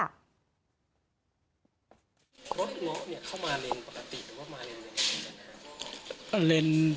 รถเหลือเข้ามาเลนปกติหรือว่ามาเลนเป็นอย่างไร